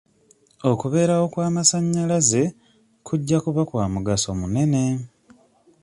Okubeerawo kw'amasannyalaze kujja kuba kwa mugaso munene.